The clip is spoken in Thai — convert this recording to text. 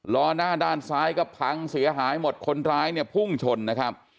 ล้อหน้าด้านซ้ายก็พังเสียหายหมดคนร้ายเนี่ยพุ่งชนนะครับ